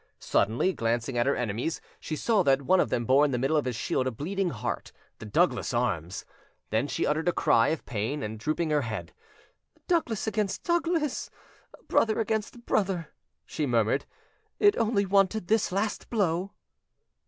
Suddenly, glancing at her enemies, she saw that one of them bore in the middle of his shield a bleeding heart, the Douglas arms. Then she uttered a cry of pain, and drooping her head— "Douglas against Douglas; brother against brother!" she murmured: "it only wanted this last blow."